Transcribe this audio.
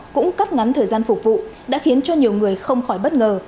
cũng cắt ngắn thời gian phục vụ đã khiến cho nhiều người không khỏi bất ngờ